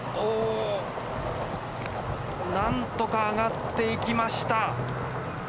なんとか上がっていきました。